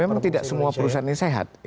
memang tidak semua perusahaan ini sehat